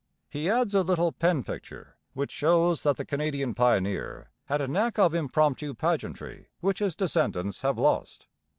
He adds a little pen picture, which shows that the Canadian pioneer had a knack of impromptu pageantry which his descendants have lost.